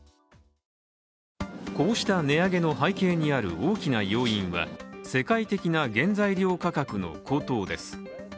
こうした値上げの背景にある大きな要因は世界的な原材料価格の高騰です。